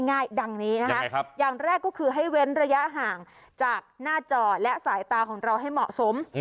ง่ายดังนี้นะคะอย่างแรกก็คือให้เว้นระยะห่างจากหน้าจอและสายตาของเราให้เหมาะสม